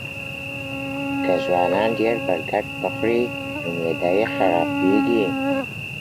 که ځوانان ډېر برګر وخوري نو معده یې خرابیږي.